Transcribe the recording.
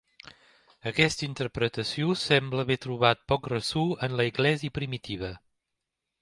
Aquesta interpretació semble haver trobat poc ressò en l'església primitiva.